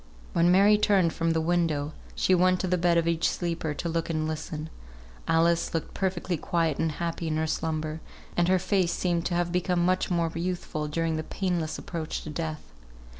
When Mary turned from the window, she went to the bed of each sleeper, to look and listen. Alice looked perfectly quiet and happy in her slumber, and her face seemed to have become much more youthful during her painless approach to death.